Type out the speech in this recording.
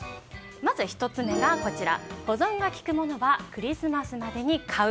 まず１つ目保存がきくものはクリスマスまでに買う。